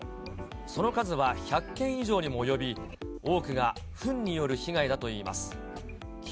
その数は１００件以上にも及び、多くがふんによる被害だといいます。